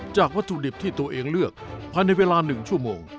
วัตถุดิบที่ตัวเองเลือกภายในเวลา๑ชั่วโมง